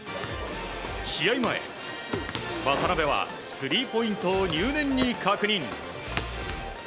試合前、渡邊はスリーポイントを入念に確認。